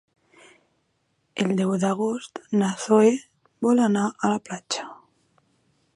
El deu d'agost na Zoè vol anar a la platja.